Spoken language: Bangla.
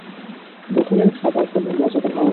ওখানের খাবার তেমন মজাদার হয় না।